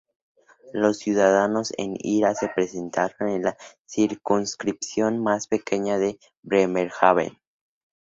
Los Ciudadanos en Ira se presentaron en la circunscripción más pequeña de Bremerhaven.